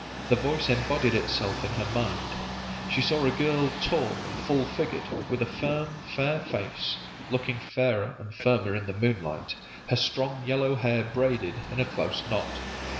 The voice embodied itself in her mind. She saw a girl tall and full figured, with a firm, fair face, looking fairer and firmer in the moonlight, her strong yellow hair braided in a close knot.